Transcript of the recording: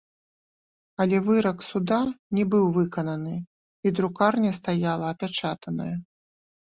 Але вырак суда не быў выкананы, і друкарня стаяла апячатаная.